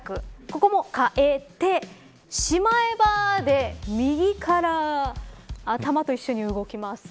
ここも、かえてしまえば、で右から頭と一緒に動きます。